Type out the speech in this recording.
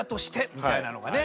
みたいなのがね